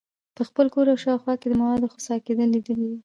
په خپل کور او شاوخوا کې د موادو خسا کیدل لیدلي دي.